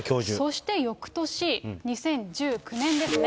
そしてよくとし２０１９年ですね。